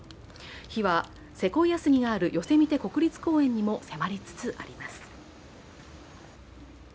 火はセコイア杉があるヨセミテ国立公園にも迫りつつあります。